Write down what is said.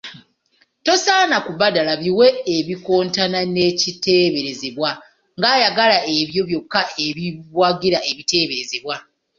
Tosaana kubadala biwe ebikontana n’ekiteeberezebwa ng’ayagala ebyo byokka eibwagira ekiteeberezebwa.